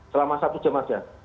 selama satu jam saja